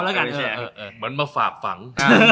เหมือนมาฝากฝัง